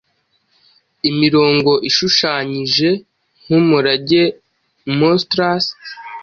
Imirongo ishushanyijenkumurage monstrous